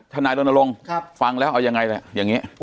ทหารรวมนะลงครับฟังแล้วเอายังไงล่ะอย่างเงี้ย